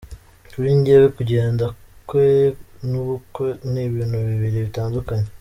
Kuri njyewe kugenda kwe n’ubukwe ni ibintu bibiri bitandukanye.